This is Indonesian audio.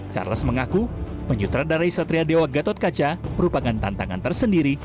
charles mengaku menyutradarai satria dewa gatot kaca merupakan tantangan tersendiri